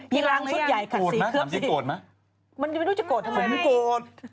พี่ล้างชุดใหญ่ขัดสีเคือบสีมันไม่รู้จะโกรธทำไมฝนโกรธ